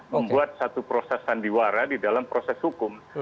membuat satu proses sandiwara di dalam proses hukum